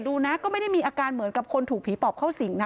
ดูนะก็ไม่ได้มีอาการเหมือนกับคนถูกผีปอบเข้าสิงนะ